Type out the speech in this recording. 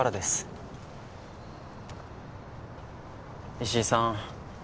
石井さん